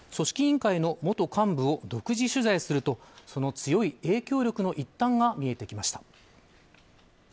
組織委員会の元幹部を独自取材するとその強い影響力の一端が見えてきました。